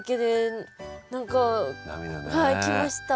はい来ました。